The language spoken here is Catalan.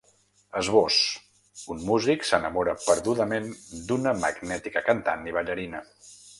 Esbós: Un músic s’enamora perdudament d’una magnètica cantant i ballarina.